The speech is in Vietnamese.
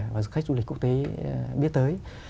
và khách du lịch quốc tế biết tới